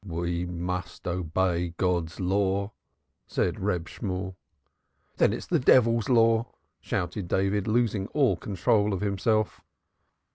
"We must obey God's law," said Reb Shemuel. "Then it is the devil's law!" shouted David, losing all control of himself.